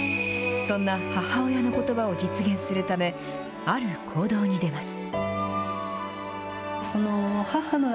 そんな母親のことばを実現するため、ある行動に出ます。